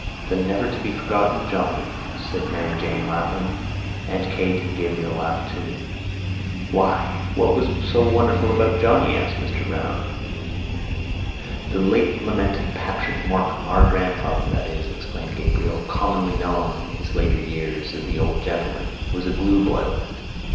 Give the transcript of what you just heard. "The never to be forgotten Johnny," said Mary Jane, laughing. Aunt Kate and Gabriel laughed too. "Why, what was wonderful about Johnny?" asked Mr Browne. "The late lamented Patrick Morkan, our grandfather, that is," explained Gabriel, "commonly known in his later years as the old gentleman, was a glue boiler."